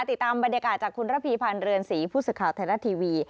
ติดตามบรรยากาศจากคุณระพีพันธ์เรือนศรีผู้สื่อข่าวไทยรัฐทีวี